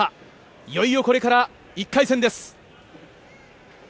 いよいよこれから１回戦です。